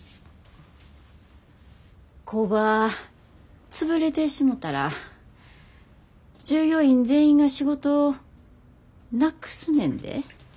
工場潰れてしもたら従業員全員が仕事なくすねんで。